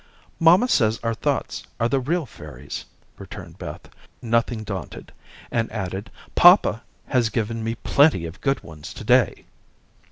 "Mamma says our thoughts are the real fairies," returned Beth, nothing daunted, and added, "papa has given me plenty of good ones to day."